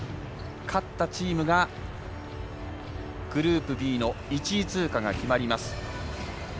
勝ったチームがグループＢの１位通過が決まります。